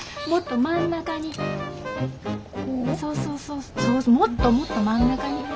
もっともっと真ん中に。